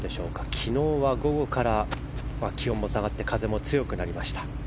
昨日は午後から気温も下がって風も強くなりました。